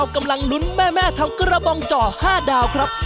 หลุนแม่ทำกระบองจ่อ๕ดาวครับ